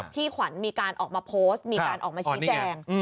ขวัญมีการออกมาโพสต์มีการออกมาชี้แจง